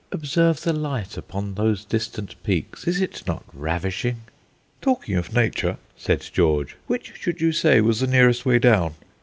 Observe the light upon those distant peaks; is it not ravishing?" "Talking of nature," said George, "which should you say was the nearest way down?"